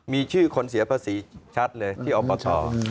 มีชื่อคนเสียภาษีชัดเลยที่อปช